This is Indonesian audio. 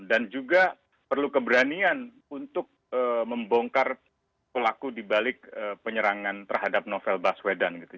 dan juga perlu keberanian untuk membongkar pelaku di balik penyerangan terhadap novel baswedan gitu